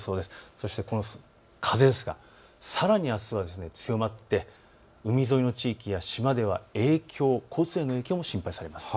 そして、この風、さらにあすは強まって海沿いの地域や島では交通への影響も心配されます。